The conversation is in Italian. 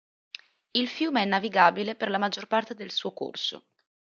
Il fiume è navigabile per la maggior parte del suo corso.